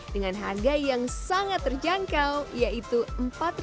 dengan harga yang sangat terjangkau yaitu rp empat puluh